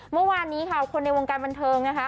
เมื่อวานนี้ค่ะคนในวงการบันเทิงนะคะ